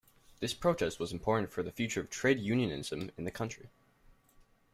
This protest was important for the future of Trade Unionism in the country.